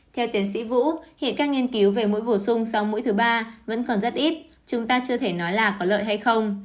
theo tiến sĩ vũ hiện các nghiên cứu về mũi bổ sung sau mũi thứ ba vẫn còn rất ít chúng ta chưa thể nói là có lợi hay không